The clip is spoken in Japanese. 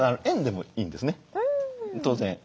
円でもいいんですね当然。